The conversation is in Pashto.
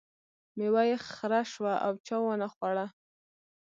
میوه یې خره شوه او چا ونه خوړه.